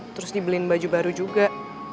terus dibeliin baju baru juga